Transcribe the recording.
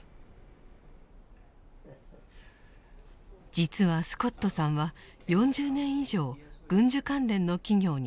実はスコットさんは４０年以上軍需関連の企業に勤めていました。